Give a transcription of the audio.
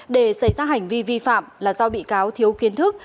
để xảy ra hành vi vi phạm là do bị cáo thiếu kiến thức